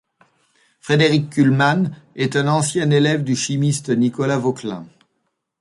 Frédéric Kuhlmann est un ancien élève du chimiste Nicolas Vauquelin.